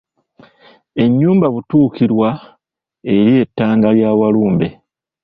Ennyumba Butuukirwa eri e Ttanda ya Walumbe.